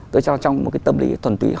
tôi cho trong một cái tâm lý thuần túy